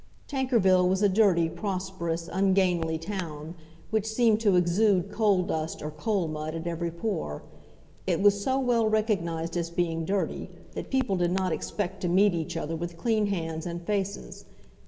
Tankerville was a dirty, prosperous, ungainly town, which seemed to exude coal dust or coal mud at every pore. It was so well recognised as being dirty that people did not expect to meet each other with clean hands and faces.